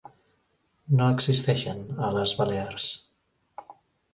No existeixen a les Balears.